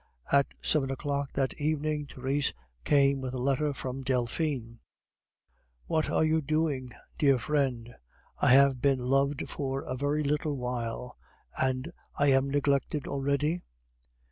At seven o'clock that evening Therese came with a letter from Delphine. "What are you doing, dear friend? I have been loved for a very little while, and I am neglected already?